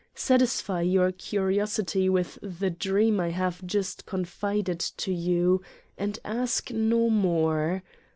Satisfy your curiosity with the dream I have just confided to you and ask no more!